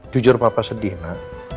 jujur papa sedih na